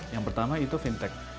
yang pertama itu fintech